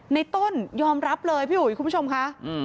ในต้นยอมรับเลยพี่อุ๋ยคุณผู้ชมค่ะ